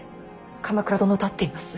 鎌倉殿と会っています。